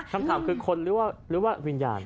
คำถามคือคนหรือว่าวิญญาณ